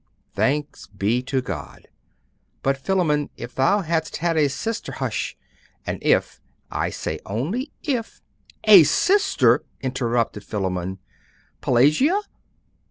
'Thanks be to God. But, Philammon, if thou hadst had a sister hush! And if I only say if , 'A sister!' interrupted Philammon. 'Pelagia?